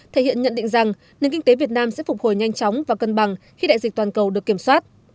thể hiện nhận định rằng nền kinh tế việt nam sẽ phục hồi nhanh chóng và cân bằng khi đại dịch toàn cầu được kiểm soát